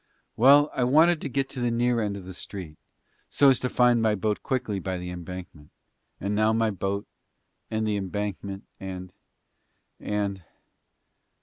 "Well I wanted to get to the near end of the street so as to find my boat quickly by the Embankment. And now my boat, and the Embankment and and